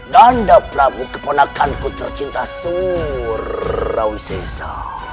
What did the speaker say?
danda prabu keponakan kutercinta surrawi seja